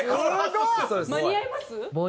間に合います？